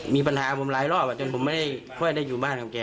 มีปัญหาผมหลายรอบจนผมไม่ได้ค่อยได้อยู่บ้านของแก